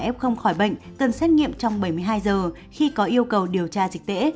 f khỏi bệnh cần xét nghiệm trong bảy mươi hai giờ khi có yêu cầu điều tra dịch tễ